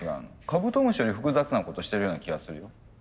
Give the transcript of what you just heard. カブトムシより複雑なことしてるような気がするよ。